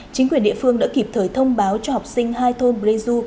chính quyền địa phương đã kịp thời thông báo cho học sinh hai thôn preju